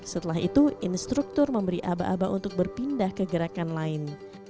setelah itu instruktur memberi aba aba untuk berpindah ke gerakan lain